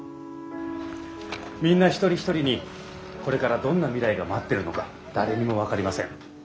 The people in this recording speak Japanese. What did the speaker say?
みんな一人一人にこれからどんな未来が待ってるのか誰にも分かりません。